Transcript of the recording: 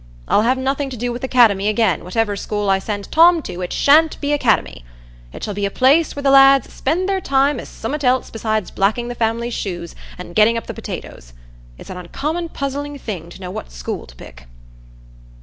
I'll have nothing to do wi' a 'cademy again: whativer school I send Tom to, it sha'n't be a 'cademy; it shall be a place where the lads spend their time i' summat else besides blacking the family's shoes, and getting up the potatoes. It's an uncommon puzzling thing to know what school to pick."